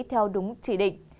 theo đúng chỉ định